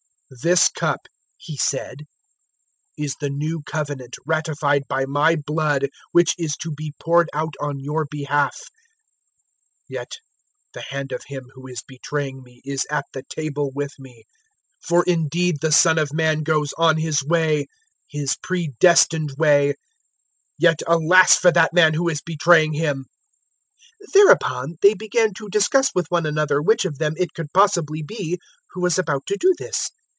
"This cup," He said, "is the new Covenant ratified by my blood which is to be poured out on your behalf. 022:021 Yet the hand of him who is betraying me is at the table with me. 022:022 For indeed the Son of Man goes on His way His pre destined way; yet alas for that man who is betraying Him!" 022:023 Thereupon they began to discuss with one another which of them it could possibly be who was about to do this.